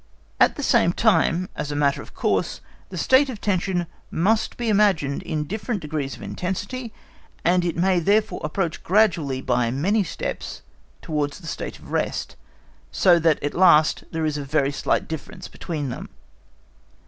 At the same time, as a matter of course, the state of tension must be imagined in different degrees of intensity, and it may therefore approach gradually by many steps towards the state of rest, so that at the last there is a very slight difference between them.